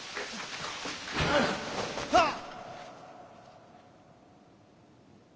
あっ！